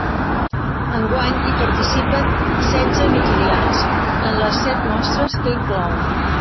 Enguany hi participen setze editorials, en les set mostres que inclou.